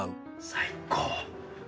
最高！